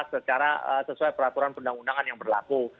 secara sesuai peraturan undang undangan yang berlaku